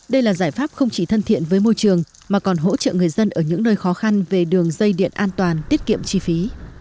đây là giải pháp không chỉ thân thiện với môi trường mà còn hỗ trợ người dân ở những nơi khó khăn về đường dây điện an toàn tiết kiệm chi phí